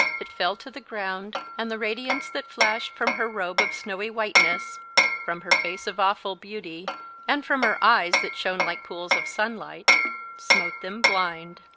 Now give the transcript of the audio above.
It fell to the ground, and the radiance that flashed from her robe of snowy whiteness, from her face of awful beauty, and from her eyes that shone like pools of sunlight, smote them blind.